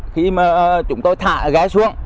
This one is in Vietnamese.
khi mà chúng tôi thả ghe xuống